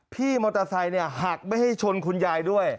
พี่มอเตอร์ไซค์หักไม่ให้ชนคุณยายด้วย